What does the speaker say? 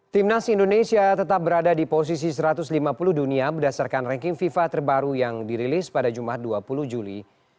timnas indonesia tetap berada di posisi satu ratus lima puluh dunia berdasarkan ranking fifa terbaru yang dirilis pada jumat dua puluh juli